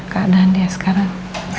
keadaan dia sekarang